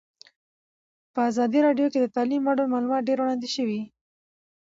په ازادي راډیو کې د تعلیم اړوند معلومات ډېر وړاندې شوي.